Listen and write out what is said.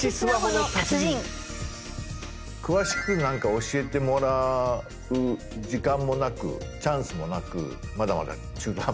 詳しくなんか教えてもらう時間もなくチャンスもなくまだまだ中途半端な。